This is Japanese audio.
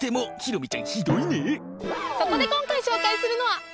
そこで今回紹介するのは。